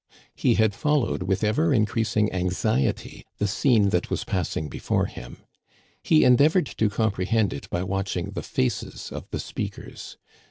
He had followed with ever increasing anxiety the scene that was passing before him. He endeavored to comprehend it by watching the faces of the speakers.